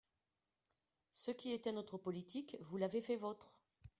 Ce qui était notre politique, vous l’avez faite vôtre.